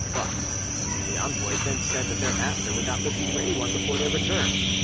But the envoys then said that their master would not listen to anyone before their return.